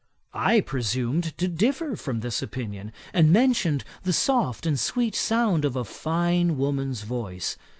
I presumed to differ from this opinion, and mentioned the soft and sweet sound of a fine woman's voice.